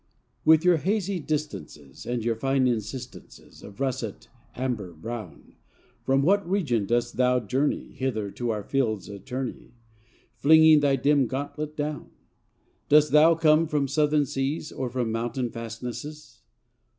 With your hazy distances, And your fine insistences, Of russet, amber, brown, From what region dost thou journey Hither to our fields a tourney, Flinging thy dim gauntlet down? Dost thou come from Southern seas? Or from mountain fastnesses?